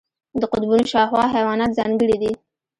د قطبونو شاوخوا حیوانات ځانګړي دي.